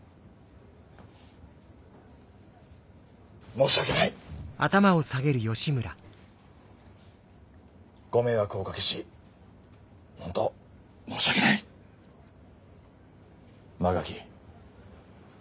申し訳ない！ご迷惑をおかけし本当申し訳ない！馬垣。